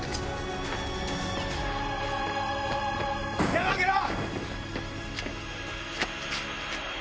手を上げろ！